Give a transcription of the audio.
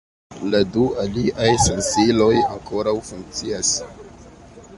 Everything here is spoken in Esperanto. La du aliaj sensiloj ankoraŭ funkcias.